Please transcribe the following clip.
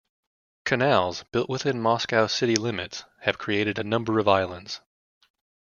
Canals, built within Moscow city limits, have created a number of islands.